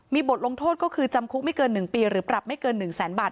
มีบทลงโทษก็คือจำคุกไม่เกิน๑ปีหรือปรับไม่เกิน๑แสนบาท